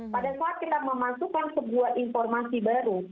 pada saat kita memasukkan sebuah informasi baru